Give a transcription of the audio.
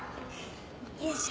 よいしょ。